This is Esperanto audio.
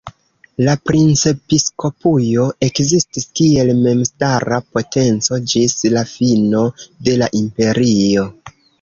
La princepiskopujo ekzistis kiel memstara potenco ĝis la fino de la Imperio.